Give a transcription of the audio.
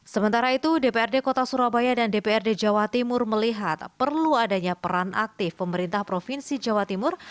sementara itu dprd kota surabaya dan dprd jawa timur melihat perlu adanya peran aktif pemerintah provinsi jawa timur